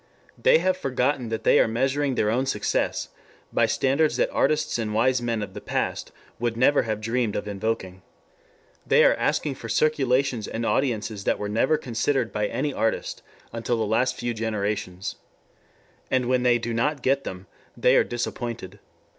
They have forgotten that they are measuring their own success by standards that artists and wise men of the past would never have dreamed of invoking. They are asking for circulations and audiences that were never considered by any artist until the last few generations. And when they do not get them, they are disappointed.